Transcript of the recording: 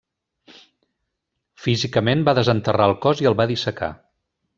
Físicament, va desenterrar el cos i el va dissecar.